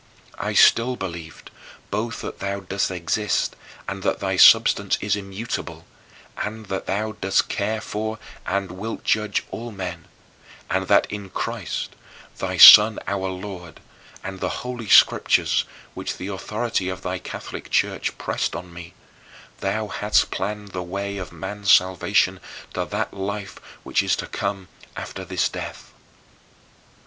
I still believed both that thou dost exist and that thy substance is immutable, and that thou dost care for and wilt judge all men, and that in Christ, thy Son our Lord, and the Holy Scriptures, which the authority of thy Catholic Church pressed on me, thou hast planned the way of man's salvation to that life which is to come after this death.